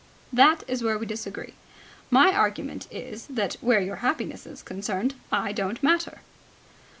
"That is where we disagree. My argument is that, where your happiness is concerned, I don't matter."